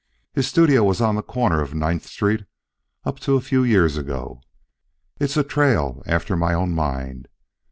His studio was on the corner of Ninth Street up to a few years ago. It's a trail after my own mind.